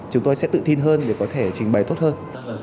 chúng tôi sẽ tự tin hơn để có thể trình bày tốt hơn